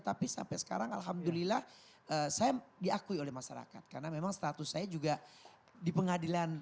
tapi sampai sekarang alhamdulillah saya diakui oleh masyarakat karena memang status saya juga di pengadilan